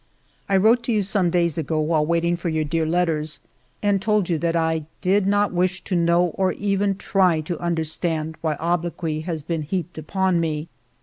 "I wrote to you, some days ago, while waiting for your dear letters, and told you that I did not wish to know or even try to understand why oblo quy had been heaped upon me.